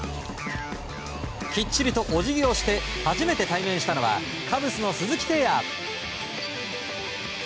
きっちりとお辞儀をして初めて対面したのはカブスの鈴木誠也。